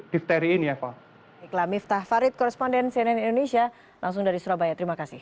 dipteri ini eva iklam iftar farid koresponden cnn indonesia langsung dari surabaya terima kasih